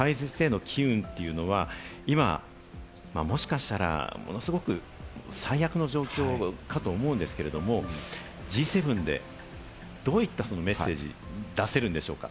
核廃絶への機運というのは、今もしかしたらものすごく最悪の状況かと思うんですけれども、Ｇ７でどういったメッセージを出せるでしょうか。